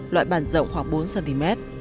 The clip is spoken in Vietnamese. loại bản rộng khoảng bốn cm